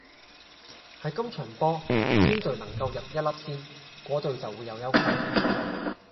喺今場波邊隊能夠入一粒先，果隊就會有優勢